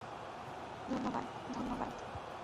ধন্যবাদ, ধন্যবাদ।